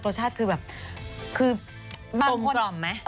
รสชาติคือแบบคือบางคนหล่อมไหม